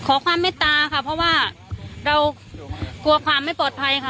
ความเมตตาค่ะเพราะว่าเรากลัวความไม่ปลอดภัยค่ะ